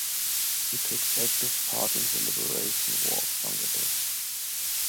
He took active part in the liberation war of Bangladesh.